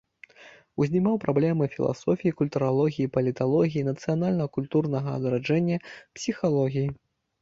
Узнімаў праблемы філасофіі, культуралогіі і паліталогіі, нацыянальна-культурнага адраджэння, псіхалогіі.